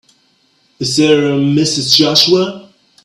Is there a Mrs. Joshua?